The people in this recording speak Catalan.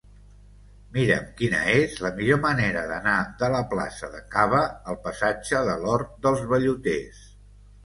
Mira'm quina és la millor manera d'anar de la plaça de Caba al passatge de l'Hort dels Velluters.